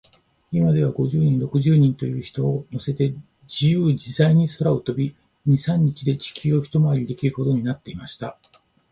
いまでは、五十人、六十人という人をのせて、じゆうじざいに空を飛び、二、三日で地球をひとまわりできるほどになってしまった。